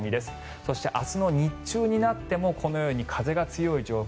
そして明日の日中になってもこのように風が強い状況